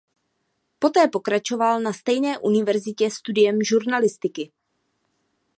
Poté pokračoval na stejné univerzitě studiem žurnalistiky.